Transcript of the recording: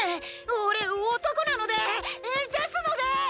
俺男なので！！ですので！！